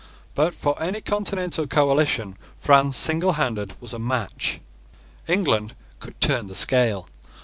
But for any continental coalition France singlehanded was a match. England could turn the scale.